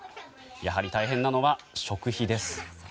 やはり大変なのは食費です。